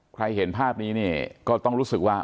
เห็นภาพนี้เนี่ยก็ต้องรู้สึกว่า